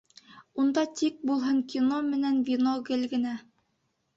Унда тик булһын кино менән вино гел генә.